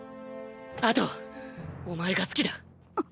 あとお前が好きだ。！！